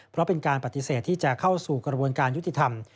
เพราะเป็นการปฏิเสธที่จะเข้าสู่กระบวนการยุติธรรม